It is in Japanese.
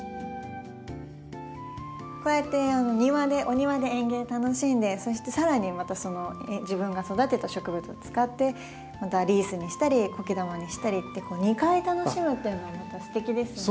こうやって庭でお庭で園芸楽しんでそしてさらにまた自分が育てた植物を使ってまたリースにしたりコケ玉にしたりって２回楽しむっていうのもまたすてきですよね。